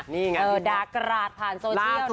นี่ไงดากราศผ่านโซเชียล